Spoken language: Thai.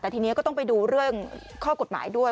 แต่ทีนี้ก็ต้องไปดูเรื่องข้อกฎหมายด้วย